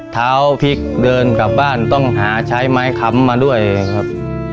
เท้าพลิกเดินกลับบ้านต้องหาใช้ไม้ค้ำมาด้วยครับ